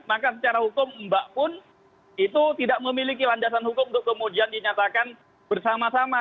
maka secara hukum mbak pun itu tidak memiliki landasan hukum untuk kemudian dinyatakan bersama sama